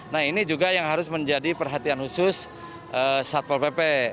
nah ini juga yang harus menjadi perhatian khusus satpol pp